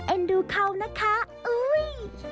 เอ็นดูเขานะคะอุ๊ย